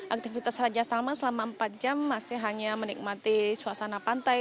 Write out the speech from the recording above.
aktivitas raja salman selama empat jam masih hanya menikmati suasana pantai